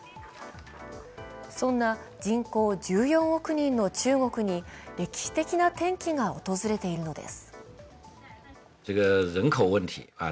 そんな人口１４億人の中国に、歴史的な転機が訪れているのです。